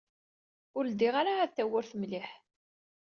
Ur ldiɣ ara ɛad tawwurt mliḥ.